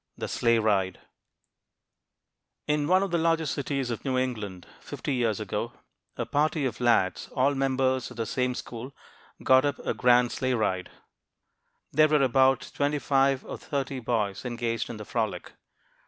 THE SLEIGH RIDE In one of the larger cities of New England, fifty years ago, a party of lads, all members of the same school, got up a grand sleigh ride. There were about twenty five or thirty boys engaged in the frolic.